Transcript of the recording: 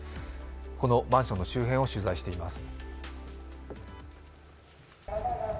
このマンションの周辺を取材しています。